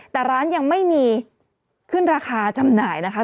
แต่ร้านยังไม่มีขึ้นราคาจำหน่ายนะคะ